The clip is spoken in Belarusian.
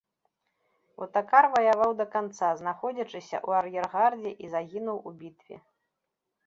Отакар ваяваў да канца, знаходзячыся ў ар'ергардзе, і загінуў у бітве.